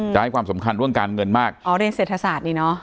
จะให้ความสำคัญเรื่องการเงินมากอ๋อเรียนเศรษฐศาสตร์นี่เนอะ